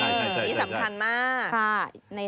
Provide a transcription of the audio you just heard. นี่สำคัญมาก